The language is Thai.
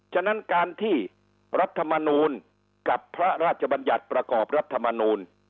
ฉะนั้นการที่รัฐมนูลกับพระราชบัญญัติประกอบรัฐมนูล